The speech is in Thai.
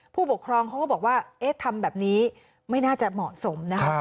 ผู้ปกครองเขาก็บอกว่าเอ๊ะทำแบบนี้ไม่น่าจะเหมาะสมนะครับ